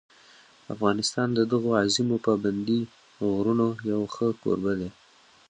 افغانستان د دغو عظیمو پابندي غرونو یو ښه کوربه دی.